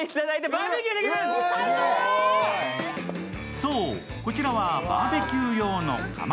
そう、こちらはバーベキュー用の窯。